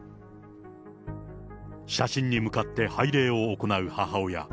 写真に向かって拝礼を行う母親。